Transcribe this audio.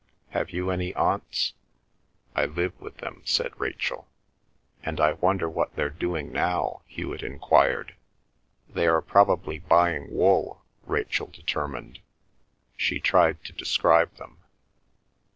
Have you any aunts?" "I live with them," said Rachel. "And I wonder what they're doing now?" Hewet enquired. "They are probably buying wool," Rachel determined. She tried to describe them.